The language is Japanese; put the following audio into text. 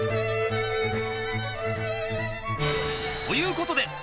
ということで］